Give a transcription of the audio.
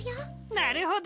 なるほど！